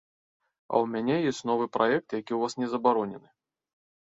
А ў мяне ёсць новы праект, які ў вас не забаронены.